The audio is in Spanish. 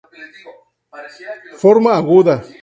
Forma aguda.